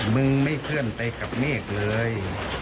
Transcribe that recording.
มึงไม่เคลื่อนไปกับเมฆเลย